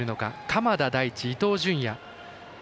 鎌田大地、伊東純也。